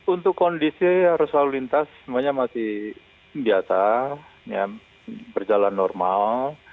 untuk kondisi arus lalu lintas semuanya masih biasa berjalan normal